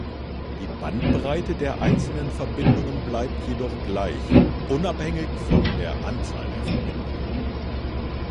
Die Bandbreite der einzelnen Verbindungen bleibt jedoch gleich, unabhängig von der Anzahl an Verbindungen.